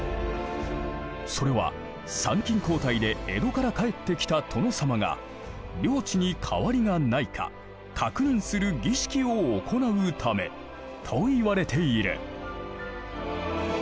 それは参勤交代で江戸から帰ってきた殿様が領地に変わりがないか確認する儀式を行うためと言われている。